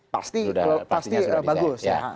pasti pasti bagus ya